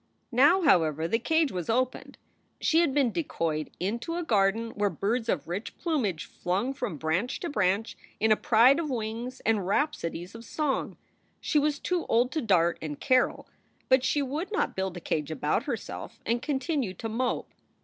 Now, however, the cage was opened. She had been decoyed into a garden where birds of rich plumage flung from branch to branch in a pride of wings and rhapsodies of song. She was too old to dart and carol, but she would not build a cage about herself and continue to mope.